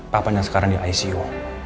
papanya sekarang di icu